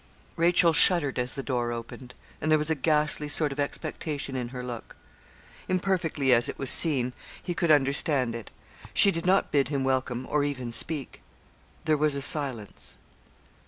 Rachel shuddered as the door opened, and there was a ghastly sort of expectation in her look. Imperfectly as it was seen, he could understand it. She did not bid him welcome or even speak. There was a silence.